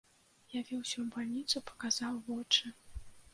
Явіўся ў бальніцу, паказаў вочы.